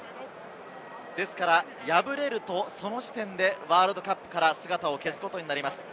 ですから敗れると、その時点でワールドカップから姿を消すことになります。